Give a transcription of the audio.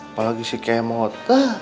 apalagi si kemut